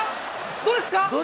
どうですか？